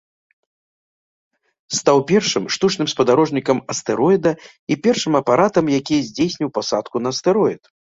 Стаў першым штучным спадарожнікам астэроіда і першым апаратам, які здзейсніў пасадку на астэроід.